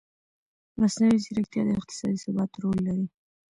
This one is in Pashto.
مصنوعي ځیرکتیا د اقتصادي ثبات رول لري.